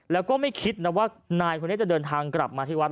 แล้วก็ไม่คิดนะว่านายคนนี้จะเดินทางกลับมาที่วัด